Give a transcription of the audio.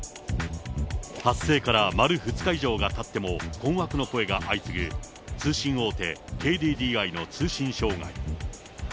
発生から丸２日以上たっても、困惑の声が相次ぐ通信大手ＫＤＤＩの通信障害。